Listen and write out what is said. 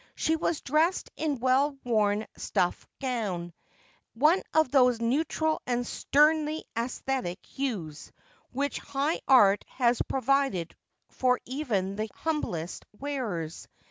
She was dressed in a well worn stuff gown, of one of those neutral and sternly aesthetic hues which high art has provided for even the humblest wearers.